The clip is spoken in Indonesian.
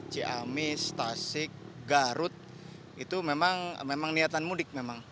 ciamis tasik garut itu memang niatan mudik memang